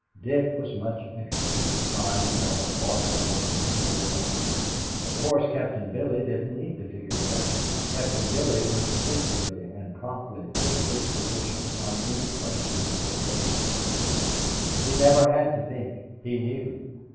Dick was much interested to find how the thoughtful ones figured it out. Of course Captain Billy didn't need to figure it out. Captain Billy instinctively and promptly took his position on any question which arrested his attention. He never had to think he knew.